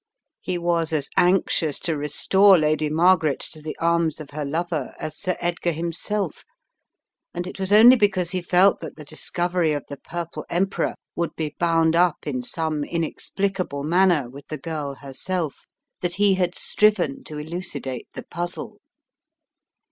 He was as anxious to restore Lady Margaret to the arms of her lover as Sir Edgar himself and it was only because he felt that the discovery of the Purple Em peror would be bound up in some inexplicable man ner with the girl herself that he had striven to eluci date the puzzle.